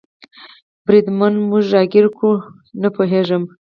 بریدمنه، موږ را ګیر شوي یو؟ نه پوهېږم.